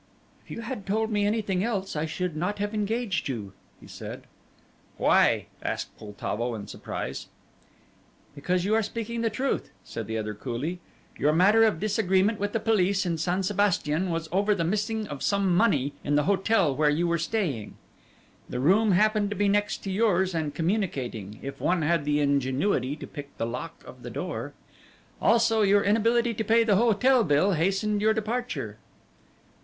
"If you had told me anything else, I should not have engaged you," he said. "Why?" asked Poltavo in surprise. "Because you are speaking the truth," said the other coolly. "Your matter of disagreement with the police in Sans Sebastian was over the missing of some money in the hotel where you were staying. The room happened to be next to yours and communicating, if one had the ingenuity to pick the lock of the door. Also your inability to pay the hotel bill hastened your departure."